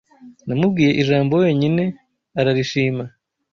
Namubwiye ijambo wenyine ararishima